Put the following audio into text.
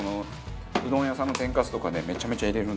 うどん屋さんの天かすとかねめちゃめちゃ入れる。